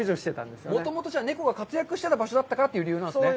じゃあ、もともと猫が活躍してた場所だったからという理由なんですね。